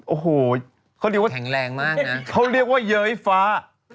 โอ้โหเขาเรียกว่าแข็งแรงมากนะเขาเรียกว่าเย้ยฟ้า